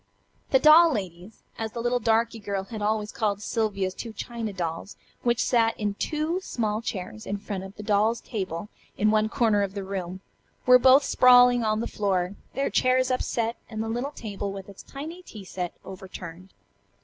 The "doll ladies," as the little darky girl had always called Sylvia's two china dolls which sat in two small chairs in front of a doll's table in one corner of the room, were both sprawling on the floor, their chairs upset, and the little table with its tiny tea set overturned.